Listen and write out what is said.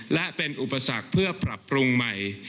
และเป็นอุปสรรคเพื่อปรับปรุงใหม่